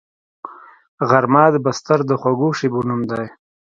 غرمه د بستر د خوږو شیبو نوم دی